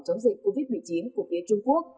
chống dịch covid một mươi chín của phía trung quốc